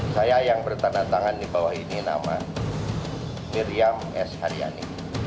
saya yang bertanda tangan di bawah ini nama miriam s haryani